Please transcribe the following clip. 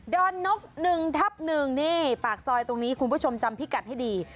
อนนก๑ทับ๑นี่ปากซอยตรงนี้คุณผู้ชมจำพิกัดให้ดี